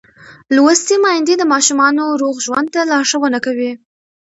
لوستې میندې د ماشومانو روغ ژوند ته لارښوونه کوي.